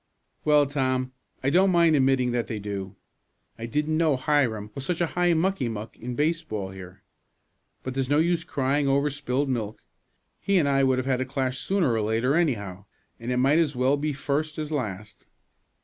"Well, Tom, I don't mind admitting that they do. I didn't know Hiram was such a high mucky muck in baseball here. But there's no use crying over spilled milk. He and I would have had a clash sooner or later, anyhow, and it might as well be first as last."